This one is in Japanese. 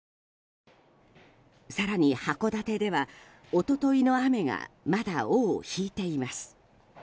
更に函館では、一昨日の雨がまだ尾を引いています。